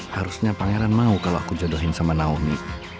harusnya pangeran mau kalau aku jodohin sama naomi